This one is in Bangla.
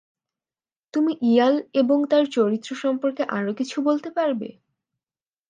তুমি ইয়াল এবং তার চরিত্র সম্পর্কে আরও কিছু বলতে পারবে?